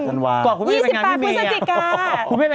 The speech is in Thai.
ไอโทำไม่ไปกับพี่มี